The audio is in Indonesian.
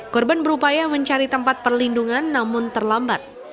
korban berupaya mencari tempat perlindungan namun terlambat